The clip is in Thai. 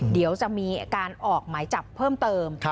เดี๋ยวจะมีการออกหมายจับเพิ่มเติม